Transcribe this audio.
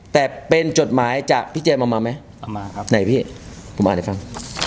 แต่เป็นจดหมายจากพี่เจมเอามาไหมเอามาครับไหนพี่ผมอ่านให้ฟัง